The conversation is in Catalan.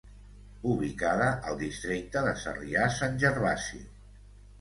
Ubicada al districte de Sarrià-Sant Gervasi.